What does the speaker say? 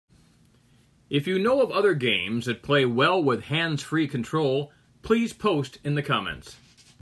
If you know of other games that play well with hands-free control, please post in the comments.